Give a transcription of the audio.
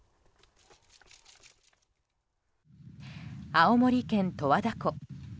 青森県十和田湖。